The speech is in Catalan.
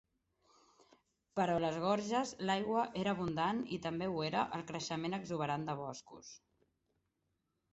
Però a les gorges l'aigua era abundant i també ho era el creixement exuberant de boscos.